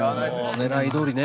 狙いどおりね。